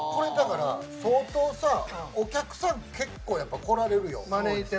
相当さ、お客さん結構来られるよ。